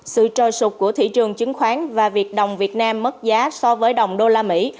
sự trôi sụp của thị trường chứng khoán và việc đồng việt nam mất giá so với đồng đô la mỹ